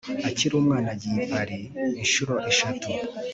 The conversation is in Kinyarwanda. Akiri umwana yagiye i Paris inshuro eshatu